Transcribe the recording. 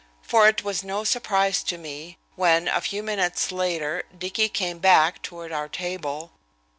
For it was no surprise to me when, a few minutes later, Dicky came back toward our table.